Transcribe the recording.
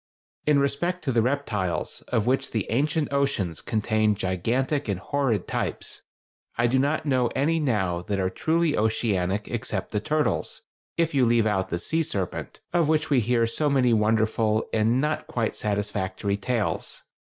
In respect to the reptiles, of which the ancient oceans contained gigantic and horrid types, I do not know any now that are truly oceanic except the turtles, if you leave out the "sea serpent," of which we hear so many wonderful and not quite satisfactory tales.